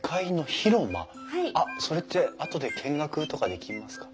それってあとで見学とかできますか？